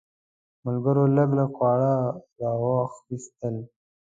ملګرو لږ لږ خواړه راواخیستل.